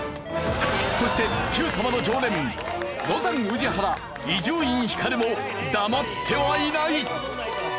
そして『Ｑさま！！』の常連ロザン宇治原伊集院光も黙ってはいない。